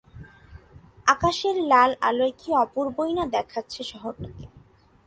আকাশের লাল আলোয় কী অপূর্বই না দেখাচ্ছে শহরটাকে!